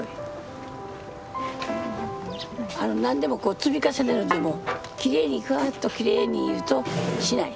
何でもこう積み重ねるんでもきれいにふわっときれいにしない。